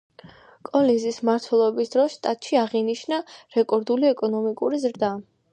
კოლინზის მმართველობის დროს შტატში აღინიშნა რეკორდული ეკონომიკური ზრდა.